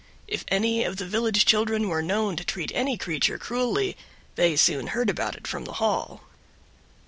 If any of the village children were known to treat any creature cruelly they soon heard about it from the Hall.